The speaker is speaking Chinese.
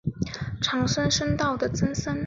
长孙道生的曾孙。